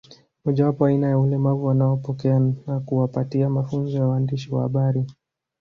Mojawapo wa aina ya ulemavu wanaowapokea na kuwapatia mafunzo ya uandishi wa habari